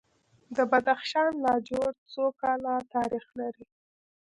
د بدخشان لاجورد څو کاله تاریخ لري؟